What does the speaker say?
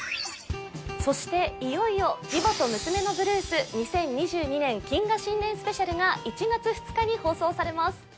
そしていよいよ「義母と娘のブルース２０２２年謹賀新年スペシャル」が１月２日に放送されます